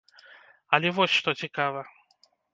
Але вось што цікава!